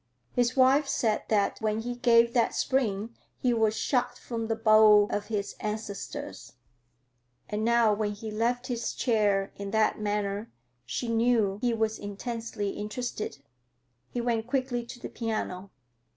His wife said that when he gave that spring he was shot from the bow of his ancestors, and now when he left his chair in that manner she knew he was intensely interested. He went quickly to the piano.